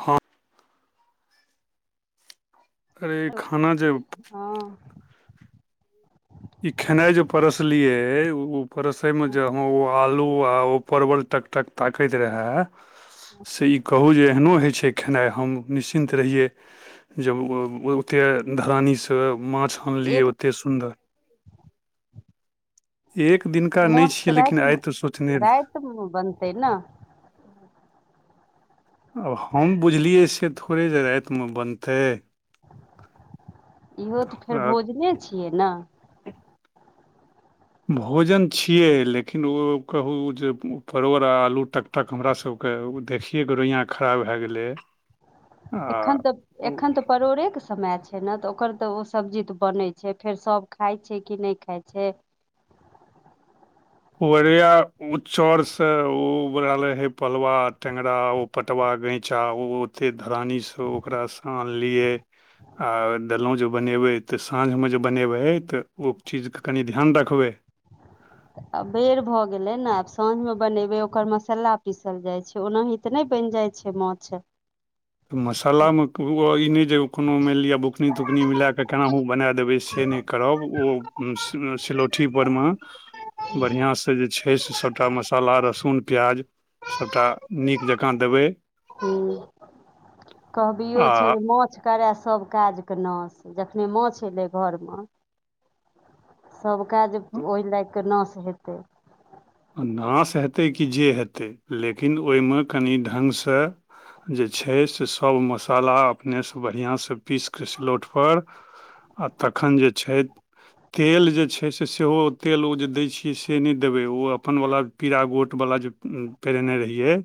ह। अरे खाना जे। हँ इ खेनाय जे परसलिये उ परसेमे जे आहा उ आलू आ परवल टकटक ताकैत रहय। से ई कहू जे एहनो होइ छै। खेनाइ हम निश्चिन्त रहियै। जब ओतेक धरानीसँ माछ, आनलियै एक ओतेक सुन्दर। एक दिनका नहि छियै। लेकिन आइ तऽ सोचने रहै बनते न आब हम बुझलियैसे थोड़े जे रातिमे बनतै इहो तऽ फेर आ भोजने छियै न। भोजन छियै। लेकिन ओ कहू जे परोड़ आ आलू टक तक हमरासके देखियएके रोइयाँ खराब भए गेलै। आ एखन तऽ उ- एखन त परोड़ेके समय छै, ने तऽ ओकर तऽ ओ सब्जी तऽ बनै छै, फेर सभ खाइ छै, कि नहि खाइ छै। ओरिया चरसे उबरे रहै पलवा टेंगरा ओ पटवा गैचा ओ ओतेक धरानीसँ ओकरासँ आनलियै। आओर देलहुँ जे बनेबै, तऽ साँझमे जे बनेबै तऽ, ओ चीजके कनि ध्यान रखबै। आ बेर भऽ गेलै ने आब साँझमे बनेबै। ओकर मसाला पीसल जाइत छै, ओनाहि नहि बनि जाय छै माछ। तऽ मसालामे ई नहि जे कोनो मानि लिअ बुकनी तुकनी मिल कऽ केनाहु बना दे। सी ब देबे से नय करब बरया सिलोगी परमा तऽ जे छै से सभटा मसाला, लहसुन, प्याज सभटा नीक जकाँ देबै। हँ, कहबो आ छै जे माछ। करऽ सभ काजके नशा जखनहि माछ एलै घरमे। सभ काज ओहि लाग कऽ नशा हेतै। नाश हेतै कि जे हेतै, लेकिन ओहिमे कनि ढङ्गसँ। जे छै से सभ मसाला अपनेसँ बढ़िआँसँ पीसि कऽ सिलौटपर। आ तखन जे छै। तेल जे छै से सेहो, तेल ओ जे दै छियै से नहि देबै ओ। अपनवला पीरा, गोटवला जे पहिरने रहियै।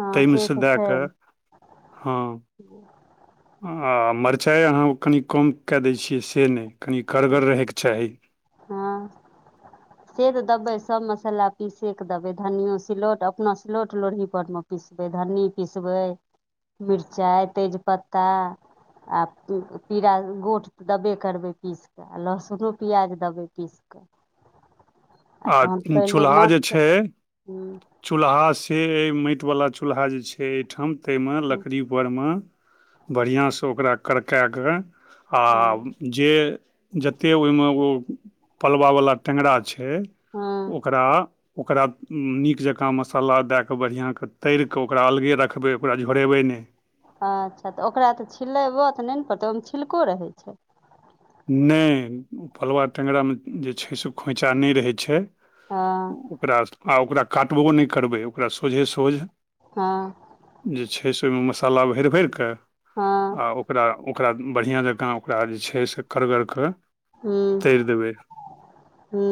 हँ से ताहिमेसँ तऽ दऽ छै कऽ हँ। [unintelligible] आ मरचाइ अहाँ कनि कम कऽ दै छियै, से नहि, कनि कड़गर रहऽके चाही। हँ। से तऽ देबै, सभ मसाला पीसि कऽ देबै, धनियो सिलौट अपन सिलौट-लोढ़ही परमे। पिसबै धन्नी, पिसबै मिरचाइ, तेजपत्ता। आ पीरा-गोट तऽ देबे करबै, पीसि कऽ। लहसुनो प्याज देबै पीस कऽ। आ तहन तऽ पहिले चूल्हा जे माछके छै? हँ चूल्हा से माटिवला चूल्हा जे छै एहिठाम। ताहिमे लकड़ीपरमे बढ़िआँसँ ओकरा करक कऽ हँ आओ। जे जतेक ओहिमे ओ पलवा-वला टेंगरा छै। हँ ओकरा-ओकरा नीक जकाँ मसाला दऽ कऽ। बढ़िआँ तरीका ओकरा अलगहि रखबै, ओकरा झोरेबै नहि। अच्छा, तऽ ओकरा तऽ छिलेबो तऽ नहि पड़तै ने, ओहिमे छिलको रहै छै। नहि, ओ फलवा टेंगरामे जे छै से खोइँछा नहि रहै छै। हँ ओकरा आ ओकरा काटबो नहि करबै, ओकरा सोझे-सोझ। हँ जे छै से ओहिमे मसाला भरि-भरि कऽ हँ ओकरा। ओकरा बढ़िआँ जकाँ, ओकरा जे छै से करकऽ कऽ। हूँ तैर देबै। हूँ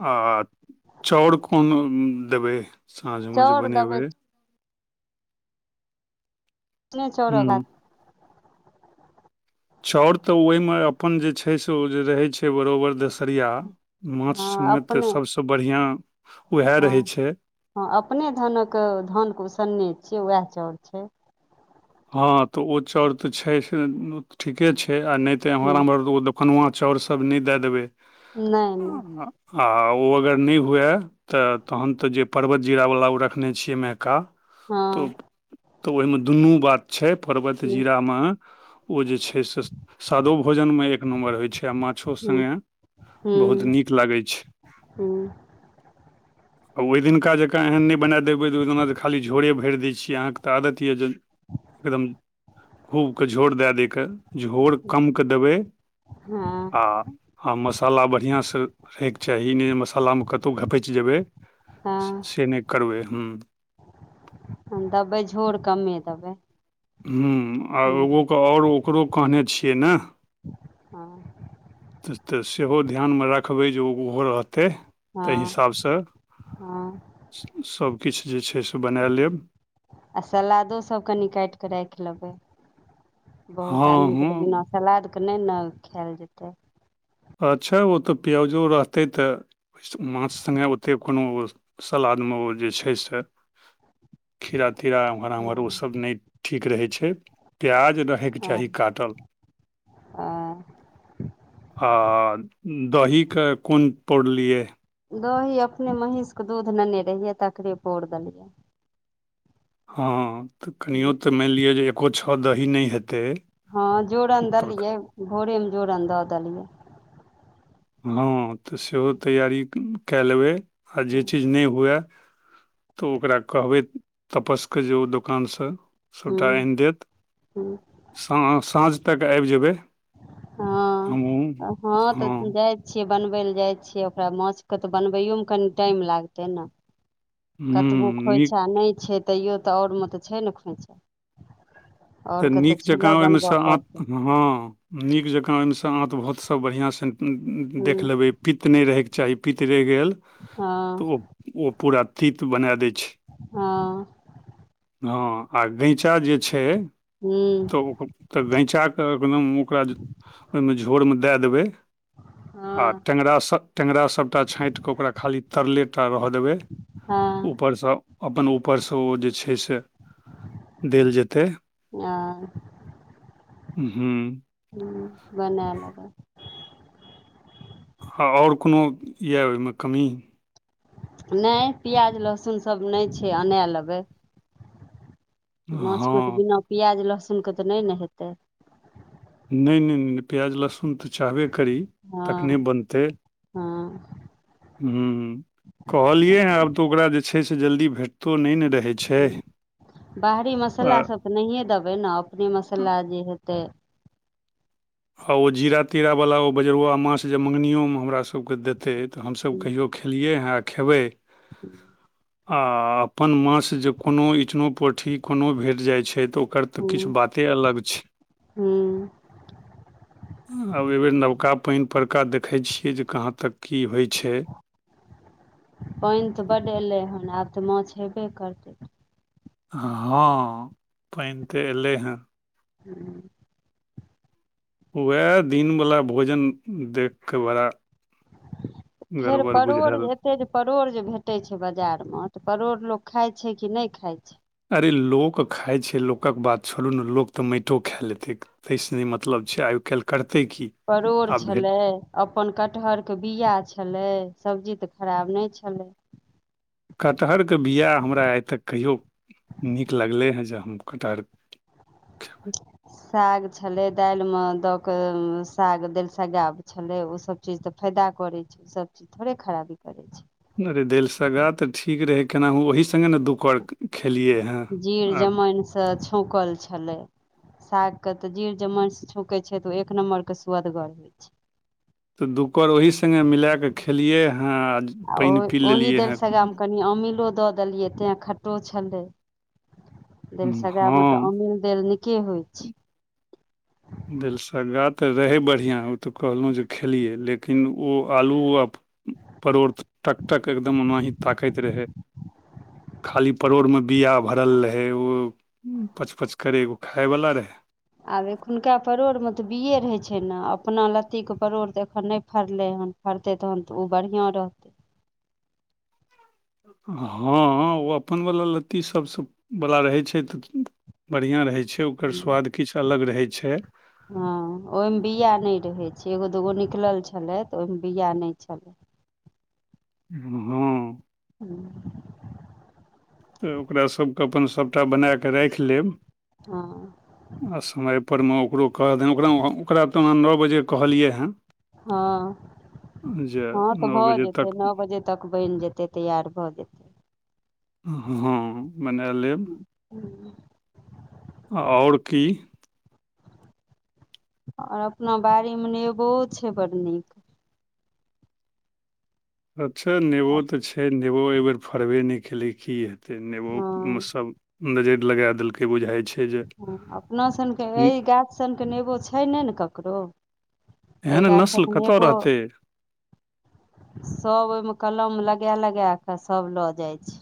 आ चाउर कोन देबै? साँझमे जे चाउर देबै बनेबै? एखने चाउर हुँ लगा चाउर तऽ ओहिमे अपन जे छै, से ओ जे रहैत छै बराबर दसरिया। माछ हँ सङ्गे तऽ अपने सभसँ बढ़िआँ उएह हँ रहै छै। हँ, अपने धनक धानके उसनने छियै, वएह चाउर छै। हँ तऽ ओ चाउर तऽ छै। से ठीके छै। आ नहि ते हूँ एमहर मर आनुआ चाउरसभ नहि दए देबै नहि नहि। आ ओ अगर नहि हुए? तऽ तहन तऽ जे परर्वत जीरावला ओ रखने छियै नायका त हँ तऽ ओहिमे दुनू बात छै। पर्वत हूँ जीरामे ओ जे छै से, सादो भोजनमे एक नम्बर होइत छै। आ माछो हूँ सङ्गे बहुत नीक लागै छै। हू। आ ओहि दिनका जकाँ एह नहि बना देबै तऽ, ओहि दिना खाली झोरे भरि दै छी अहाँके तऽ आदत यऽ जे। एकदम खूबके झोर दए दै क। झोर कम कऽ देबै आ हँ आ मसाला बढ़िआँसँ रहयके चाही नहि जे मसालामे कतहु घपचि जेबै। हँ से नहि करबै हू देबै झोर, कमे देबै। ह्म आ हूँ एगोके आओर ओकरो कहने छियै ने। हँ तऽ सेहो ध्यानमे रखबै जे ओहो रहतै। ताहि हँ हिसाबसँ हँ सभकिछ जे छै बनाए लेब आ सलादो सभ कनी काटि कऽ राखि लेबै बहुत हँ आदमी हँ तऽ बिना सलादके नहि ने खाएल जेतै। अच्छा ओ तऽ प्याजो रहतै त माछ सङ्गे ओते कोनो सलादमे ओ जे छै से। खीरा तीरा अम्हर आम्हर हँ ओसभ नहि ठीक रहै छै। प्याज रह होइके चाही काटल। हा आ दहीके कोन पौरलियै? दही अपने महींषके दूध लेने रहियै। तकरे पौर देलियै। हँ तऽ कनिओ तऽ मानि लिअ जे एकको छओ दही नहि हेतै। हँ, जोरन तऽ देलियै। भोरेमे जोरन दऽ देलियै। हँ, तऽ सेहो तैयारी कए लेबै। आ जे चीज नहि हुअए तऽ ओकरा कहबै तपसके जे ओ दोकानसँ। सभटा हूँ आनि देत हँ साँझ तक आबि जेबै। हँ, हमहूँ हँ तऽ हँ जाइ छियै बनबै लए जाइ छियै। ओकरा माछके त बनबैयोमे कनि टाइम लागतै न कतबो ह्म्म नीक खोँइछा नहि छै। तैओ तऽ ओरमे तऽ छै ने खोँइछा तऽ नीक जकाँ ओहिमेसँ बनबऽ ह पड़तै हँ, नीक जकाँ ओहिमेसँ आँतभोत सभ बढ़िआँसँ देख हूँ लेबै पित्त नहि रहैके चाही। पित रहि गेल हँ तऽ ओ पूरा तित बना दै छै। हा हँ, आ गैँचा जे छै। हूँ। त ओ तऽ गैँचाके एकदम ओकरा ओहिमे झोरमे दए देबै। आ हँ टेङ्गरा सभ टेङ्गरा सभटा छाँटि कऽ ओकरा खाली तरलेटा रहय देबै। हँ ऊपरसँ, अपन ऊपरसँ ओ जे छै से देल जेतै। आ हुं ह बना लेबै हं आओर कोनो यऽ ओहिमे कमी नहि प्याज लहसुन सभ नहि छै अनाए लेबै माछमे तऽ हँ बिना प्याज लहसुनके तऽ नहि ने हेतै नहि नहि प्याज लहसुन तऽ चाहबे करी तखने हँ बनतै हँ हं हं कहलियै हे आब तऽ ओकरा जे छै से जल्दी भेटतो नहि न रहै छै हं बाहरी मसाला आ सभ त नहिए देबै ने अपने मसाला जे हेतै आ ओ जीरा तीरावला ओ बजरुआ माछ जे मङ्गनिओमे हमरासकेँ देतै तऽ हमसभ हूँ कहियो खेबै खेलियै हँ खेबै [unintelligible] आ आ अपन माछ जे कोनो इचनो पोठी कोनो भेट जाय छै तऽ एकर त किछु बाते अलग छै हूँ आब एहिबेर नबका पानि परका देखै छियै जे कहाँ तक की होय छै पानि तऽ बड एलै हन आब तऽ माछ हेबे करतै हँ पानि तऽ एलै हेँ हूँ उएह दिन वाला भोजन देखि कऽ बड़ा फेर गड़बड़ परोर बुझायल ते जे परोड़ जे भेटै छै बजार म तऽ परोड़ लोक खाय छै कि नहि खाय छै अरे लोक खाय छै लोकक बात छोड़ु ने लोक त माइटो खाए लेतै तहिसँ नै मतलब छै आय काल्हि करतै की परोड़ आ भेट छलै अपन कटहर के बीया छलै सब्जी तऽ खराब नहि छलै कटहर के बीया हमरा आय तक कहियो नीक लगलै हेँ जे हम कटहर साग छलै दालि मे दऽ के साग दालिसग्गा छलै ओसभ चीज तऽ फायदा करै छै ओसभ चीज थोड़े खराबी करै छै अरे दालिसगा तऽ ठीक रहे केनाहु ओहि संगे न दु गो जीर जमाइनसँ छौंकल छै छलै साग के तऽ जीर जमाइन सँ छौकै छै तऽ ओ एक नम्बर के सुअदगर होय छै त दुकर ओहि संगे मिला क खेलियै हं आ ओ ओहि दालिसगामे कनि अमिलो दऽ देलियै तैं खटो छलै हँ दालिसग्गामे तऽ अमील देल नीके होय छै दिलसग्गा तऽ रहै बढ़िआँ ओ तऽ कहलौ जे खेलियै लेकिन ओ आलू आ परोड़ टक टक एकदम ओनाही ताकैत रहै खाली परोड़मे बीया भरल रहै ओ पच पच करे एगो खाय वाला रहे आब एखुनका परोड़मे तऽ बिये रहै छै न अपना लत्तीके परोड़ तऽ एखन नहि फड़लै हन फड़तै तहन तऽ ओ बढ़िआँ रहतै हँ ओ अपनवला लत्ती सभसँवला रहै छै तऽ बढ़िआँ रहै छै ओकर स्वाद किछ अलग रहै छै हँ ओहिमे बीया नै रहै छै एगो दूगो निकलल छलै त ओहिमे बीया नहि छलै [unintelligible] हूँ त ओकरासभकेँ अपन सभटा बनाए के राखिलेब हँ आ समयपर मे ओकरो कह दनि ओकरा ओकरा तऽ नओ बजे कहलियै हँ हँ जे हँ तऽ नओ भऽ बजे जेतै तक नओ बजे तक बनि जेतै तैयार भऽ जेतै हँ मने लेब आओर की आओर अपना बाड़ी मे नेबो छै बड़ नीक अच्छा नेबो हँ तऽ छै नेबो एहिबेर फड़बे नहि कै की हेतै नेबोमे सब नजैर लगाए देलकै बुझाइ छै जे हँ अपना सबके एहि गाछ सनके नेबो छै नहि ने ककरो एहि एहन नस्ल गाछक कतऽ नेबो रहतै सब ओहिमे कलम लगै-लगै कऽ सब लऽ जाय छै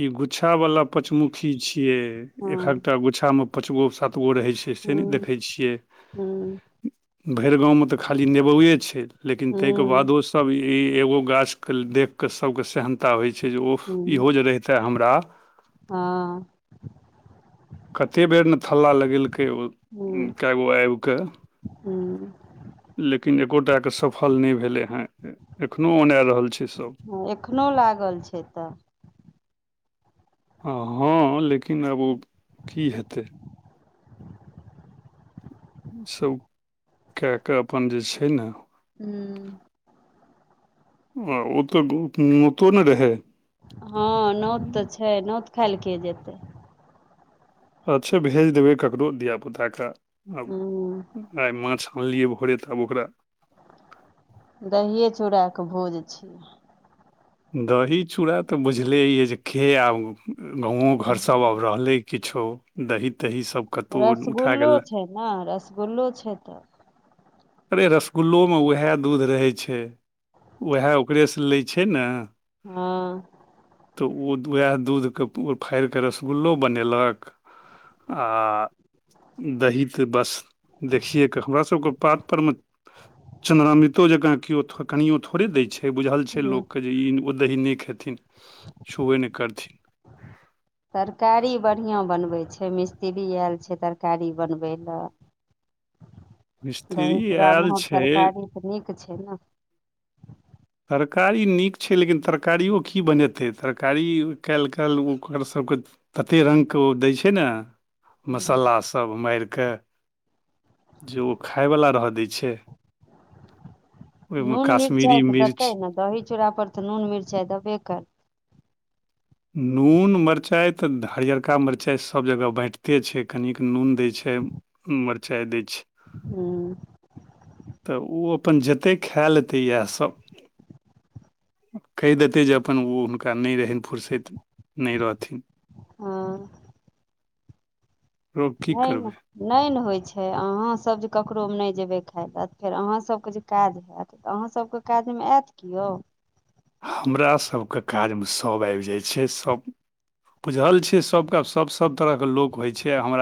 इ गुच्छा वाला पंचमुखी छीये हँ एकहकटा गुच्छा मे पाँच गो सात गो रहे छै नहि हूँ देखै छियै हूँ भैर गाँव में त खाली नेबोए छै लेकिन ताहिके हूँ बादो सब ई एगो गाछ के देख के सब के सहनता होई छै जे ओ हूँ इहो जे रह हमरा हँ कते बेर ने थल्ला लगेलकै ओ कएगो आबि कऽ हू लेकिन एकोटाके सफल नहि भेलै हेँ एखनोहु औनाए रहल छै सभ ह एखनो लागल छै तऽ हँ लेकिन आब ओ की हेतै ईसब कए कऽ अपन जे छै ने ह आ ओ तऽ ओतो नहि रहै हँ नोत तऽ छै नोत खाय लए के जेतै अच्छा भेज देबै ककरो धियापुता के आउ हूँ आ माछ आनलिय भर तब ओकरा दहिए चूड़ा कऽ भोज छियै दही चूड़ा तऽ बुझले ये जे खे आब गाँंवो घर सब आब रहलै किछो दही तही सब कतहु उठा गेल नहि रसगुल्लो छै तऽ अरे रसगुल्लो मे उएह दूध रहै छै उएह ओकरेसँ लै छै ने हँ तऽ ओ उएह दूधकेँ फाड़ि कऽ रसगुल्लो बनेलक आ दही त बस देखिएकेऽ हमरा सबके पात पर में चंद्र मृतो जका केओ कनो थोड़े देय छै बुझल छै हूँ, लोक के ओ दही नहि खेथिन छुबे नहि करथिन तरकारी बढ़िआँ बनबै छै मिस्त्री आयल छै तरकारी बनबै लए मिस्त्री दही चूड़ा आयल बहुत छै तरकारी तऽ नीक छै ने तरकारी नीक छै लेकिन तरकारिओ की बनेतै तरकारी काल्हि काल्हि ओकरसभके ततेक रङ्गके ओ दै छै ने हूँ, मसाला सब मारि कऽ जे ओ खायवला रह दै छै ओहि मे कश्मीरी मिर्च तै ने दही चूड़ा पर तऽ नून मिरचाइ देबे करै नून मिरचाइ तऽ हरियरका मिरचाइ सब जगह बैटते छै कनिक नून दै छै मरचाइ दै छै हँ तऽ ओ अपन जतेक खाए लेतै इएहसभ कहि देते जे अपन ओ हुनका नहि रहनि फुरसत नहि रहथिन हँ रो की नहि ने करबै नहि ने होइ छै अहाँं सब जे ककरो मे नहि जेबै खाय लऽ फेर अहाँ सबके जे काज होत तऽ अहाँ सबके काजमे एत कियो हमरा सभके काजमे सभ आबि जाइ छै सभ बुझल छीयै सबके आब सब सब तरह के लोक होय छै हमरा